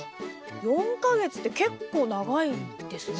４か月って結構長いんですね。